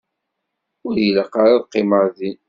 Ur ilaq ara ad qqimeɣ din.